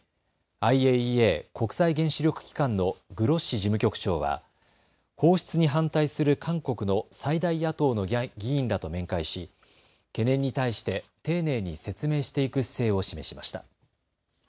ＩＡＥＡ・国際原子力機関のグロッシ事務局長は放出に反対する韓国の最大野党の議員らと面会し懸念に対して丁寧に説明していく姿勢を示しました。